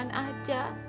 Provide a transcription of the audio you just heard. panggil yaman aja